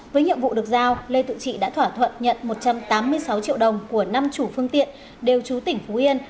với nhiệm vụ được giao lê tự trị đã thỏa thuận nhận một trăm tám mươi sáu triệu đồng của năm chủ phương tiện đều chú tỉnh phú yên